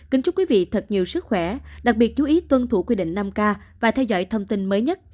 kính chúc quý vị thật nhiều sức khỏe đặc biệt chú ý tuân thủ quy định năm k và theo dõi thông tin mới nhất từ bộ y tế